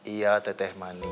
iya teteh manis